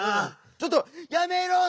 ちょっとやめろって！